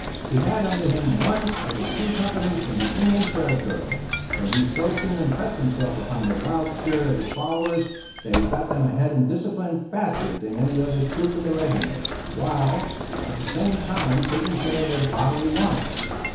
He had under him one of the two companies from the Indian Territory; and he so soon impressed himself upon the wild spirit of his followers, that he got them ahead in discipline faster than any other troop in the regiment, while at the same time taking care of their bodily wants.